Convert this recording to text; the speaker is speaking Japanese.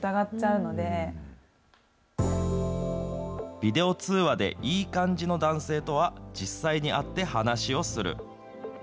ビデオ通話でいい感じの男性とは、実際に会って話をする。